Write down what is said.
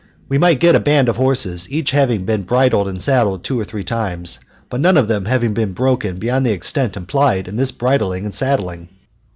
We might get a band of horses, each having been bridled and saddled two or three times, but none of them having been broken beyond the extent implied in this bridling and saddling.